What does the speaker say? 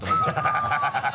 ハハハ